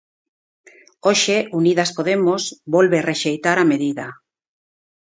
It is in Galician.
Hoxe, Unidas Podemos volve rexeitar a medida.